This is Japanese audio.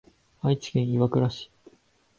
愛知県岩倉市